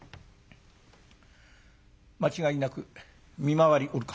「間違いなく見回りおるか」。